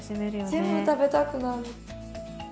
全部食べたくなる。